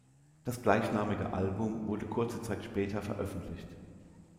Das gleichnamige Album wurde kurze Zeit später veröffentlicht.